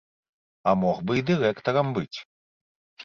А мог бы і дырэктарам быць.